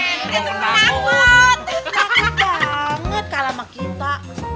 takut banget kalah sama kita